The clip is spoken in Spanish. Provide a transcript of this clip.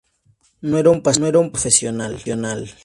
No era un pastor profesional.